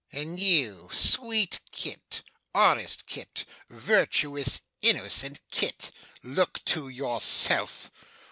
And you, sweet Kit, honest Kit, virtuous, innocent Kit, look to yourself.